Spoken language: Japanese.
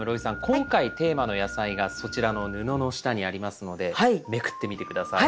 今回テーマの野菜がそちらの布の下にありますのでめくってみて下さい。